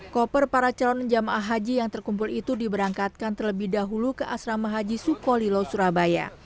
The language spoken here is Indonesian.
koper para calon jemaah haji yang terkumpul itu diberangkatkan terlebih dahulu ke asrama haji sukolilo surabaya